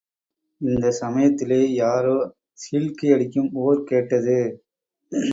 இந்தச் சமயத்திலே யாரோ சீழ்க்கையடிக்கும் ஓர் கேட்டது.